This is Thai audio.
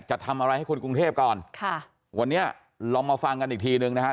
จะทำอะไรให้คนกรุงเทพก่อนค่ะวันนี้ลองมาฟังกันอีกทีหนึ่งนะฮะ